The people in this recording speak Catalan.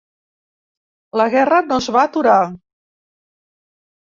La guerra no es va aturar.